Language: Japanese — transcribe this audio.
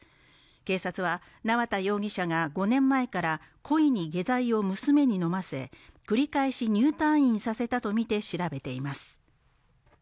警察は縄田容疑者が５年前から故意に下剤を娘に飲ませ繰り返し入退院させたとみて調べています。